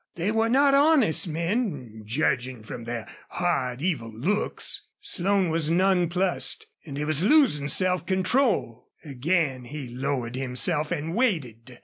They were not honest men, judging from their hard, evil looks. Slone was nonplussed and he was losing self control. Again he lowered himself and waited.